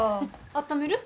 あっためる？